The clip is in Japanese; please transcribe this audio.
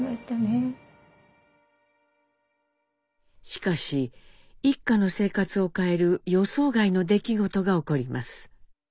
しかし一家の生活を変える予想外の出来事が起こります。